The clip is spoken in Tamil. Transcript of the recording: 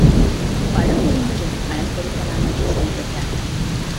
படம் முடிந்ததும் பணம் கொடுக்கலாம் என்று சொல்லிவிட்டார்.